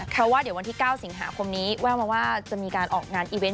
เพราะว่าเดี๋ยววันที่๙สิงหาคมนี้แววมาว่าจะมีการออกงานอีเวนต